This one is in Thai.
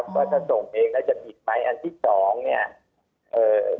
ว่าจะส่งเองแล้วจะผิดไหมอันที่๒เนี่ย